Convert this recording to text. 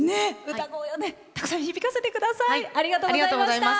歌声をたくさん響かせてください。